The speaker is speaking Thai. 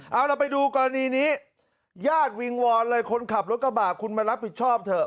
เอาเราไปดูกรณีนี้ญาติวิงวอนเลยคนขับรถกระบะคุณมารับผิดชอบเถอะ